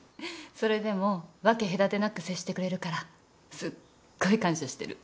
それでも分け隔てなく接してくれるからすっごい感謝してる。